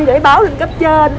để báo lên cấp trên